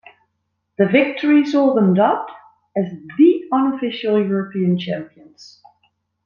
The victory saw them dubbed as the unofficial European Champions.